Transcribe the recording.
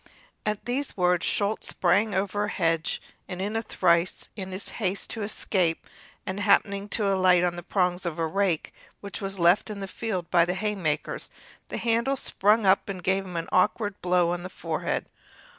At these words Schulz sprang over a hedge, in a trice, in his haste to escape, and, happening to alight on the prongs of a rake which was left in the field by the haymakers, the handle sprang up and gave him an awkward blow on the forehead.